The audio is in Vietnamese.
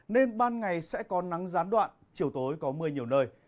nên ban ngày sẽ có nắng gián đoạn chiều tối có mưa nhiều nơi